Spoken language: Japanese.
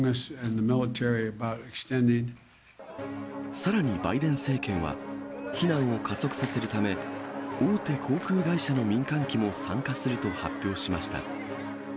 さらにバイデン政権は、避難を加速させるため、大手航空会社の民間機も参加すると発表しました。